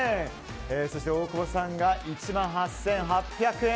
そして大久保さんが１万８８００円。